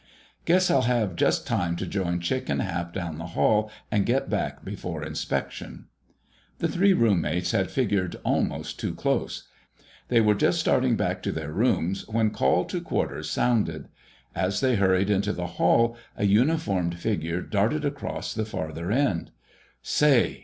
Guess I'll have just time to join Chick and Hap down the hall and get back before inspection." The three roommates had figured almost too close. They were just starting back to their room when call to quarters sounded. As they hurried into the hall, a uniformed figure darted across the farther end. "Say!"